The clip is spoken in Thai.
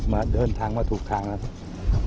มาเดินทางมาถูกทางแล้วครับ